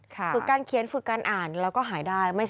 ฝึกการเขียนฝึกการอ่านแล้วก็หายได้